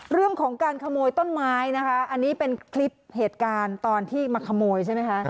เรื่องของการขโมยต้นไม้นะคะอันนี้เป็นคลิปเหตุการณ์ตอนที่มาขโมยใช่ไหมคะ